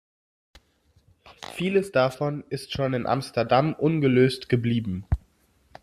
Vieles davon ist schon in Amsterdam ungelöst geblieben.